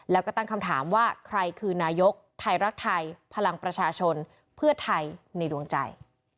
แล้วก็ตั้งคำถามว่าใครคือนายกไทยรักไทยพลังประชาชนเพื่อไทยในดวงใจ